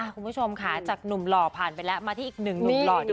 คุณผู้ชมค่ะจากหนุ่มหล่อผ่านไปแล้วมาที่อีกหนึ่งหนุ่มหล่อดีกว่า